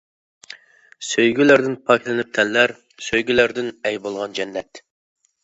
سۆيگۈلەردىن پاكلىنىپ تەنلەر، سۆيگۈلەردىن ئەي بولغان جەننەت.